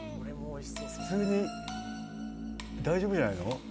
普通に大丈夫じゃないの？